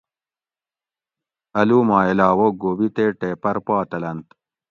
اۤلو ما علاوہ گوبی تے ٹیپر پا تلنت